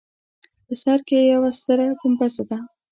په سر کې یوه ستره ګومبزه ده.